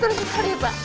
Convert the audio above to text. terima kasih pak